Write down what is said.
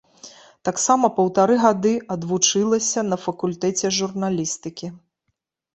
Таксама паўтары гады адвучылася на факультэце журналістыкі.